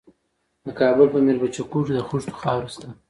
د کابل په میربچه کوټ کې د خښتو خاوره شته.